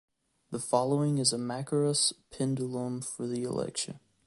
The following is a Mackerras pendulum for the election.